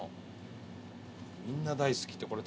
「みんな大好き」って